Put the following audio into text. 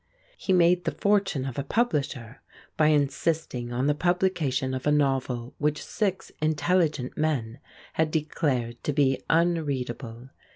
He made the fortune of a publisher by insisting on the publication of a novel which six intelligent men had declared to be unreadable.